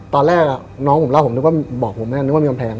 ตอนแรกน้องผมเล่าผมนึกว่ามีกำแพง